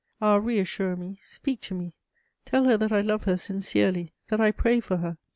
Ah, reassure me, speak to me; tell her that I love her sincerely, that I pray for her!